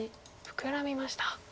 フクラみました。